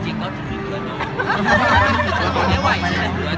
จริงก็ถึงด้วยหน่อย